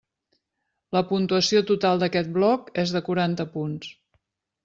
La puntuació total d'aquest bloc és de quaranta punts.